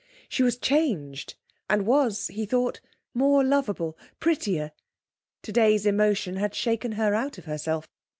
She was changed, and was, he thought, more lovable prettier; today's emotion had shaken her out of herself.